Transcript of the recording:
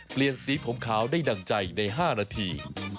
เปลี่ยนสีผมขาวได้ดั่งใจใน๕นาที